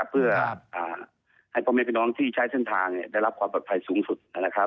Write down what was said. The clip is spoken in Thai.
เพื่อให้พ่อแม่พี่น้องที่ใช้เส้นทางได้รับความปลอดภัยสูงสุด